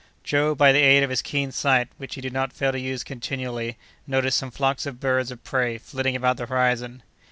Joe, by the aid of his keen sight, which he did not fail to use continually, noticed some flocks of birds of prey flitting about the horizon.